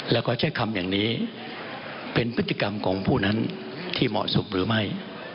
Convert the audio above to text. แล้วก็ใช้คำอย่างนี้เป็นพฤติกรรมของผู้นั้นที่เหมาะสมหรือไม่